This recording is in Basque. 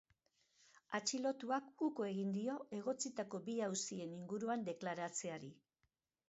Atxilotuak uko egin dio egotzitako bi auzien inguruan deklaratzeari.